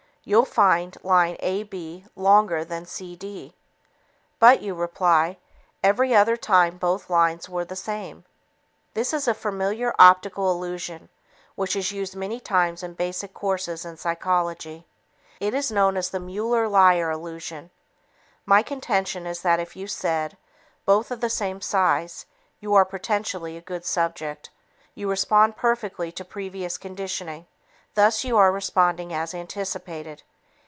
You'll find line AB longer than CD. "But," you reply, "every other time both lines were the same." This is a familiar optical illusion which is used many times in basic courses in psychology. It is known as the Muller Lyer illusion. My contention is that if you said, "Both are the same size," you are potentially a good subject. You respond perfectly to previous conditioning; thus, you are responding as anticipated.